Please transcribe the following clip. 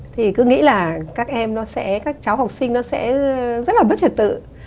thì cứ nghĩ là các em nó sẽ các cháu học sinh nó sẽ rất là bất trật tự